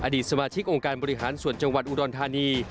สมาชิกองค์การบริหารส่วนจังหวัดอุดรธานี